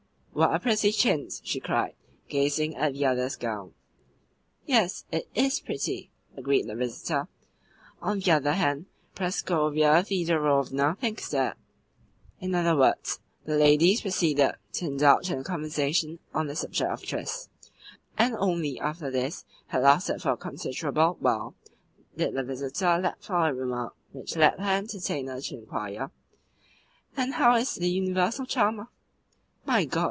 "What a pretty chintz!" she cried, gazing at the other's gown. "Yes, it IS pretty," agreed the visitor. "On the other hand, Praskovia Thedorovna thinks that " In other words, the ladies proceeded to indulge in a conversation on the subject of dress; and only after this had lasted for a considerable while did the visitor let fall a remark which led her entertainer to inquire: "And how is the universal charmer?" "My God!"